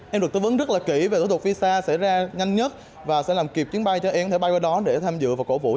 em được tư vấn rất là kỹ về thủ tục visa xảy ra nhanh nhất và sẽ làm kịp chuyến bay cho em có thể bay qua đó để tham dự và cổ vũ